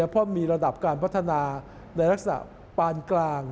เพราะมีระดับการพัฒนาในลักษณะปานกลาง